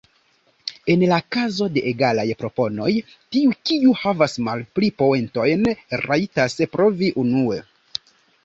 En la kazo de egalaj proponoj, tiu kiu havas malpli poentojn rajtas provi unue.